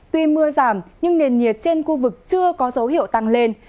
tuy mưa giảm nhưng nền nhiệt trên khu vực chưa có dấu hiệu tăng lên